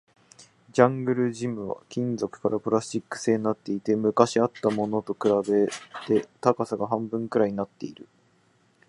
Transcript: ジャングルジムは金属からプラスチック製になっていて、昔あったものと比べて高さが半分くらいになっている